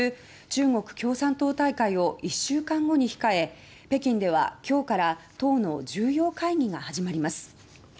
中国共産党大会を１週間後に控え北京では今日から党の重要会議が始まります。